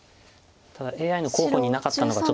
ただＡＩの候補になかったのが。